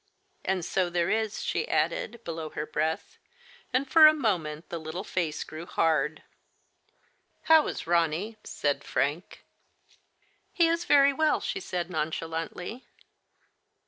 And so there is," she added, below her breath, and for a moment the little face grew hard. " How is Ronny ?" said Frank. "He is very well," she said nonchalantly.